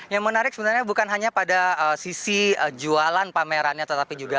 yang menarik sebenarnya bukan hanya pada sisi jualan pamerannya tetapi juga